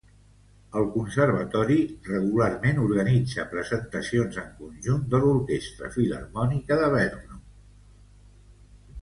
El conservatori regularment organitza presentacions en conjunt de l'Orquestra Filharmònica de Brno.